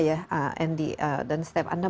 ya andy dan step anda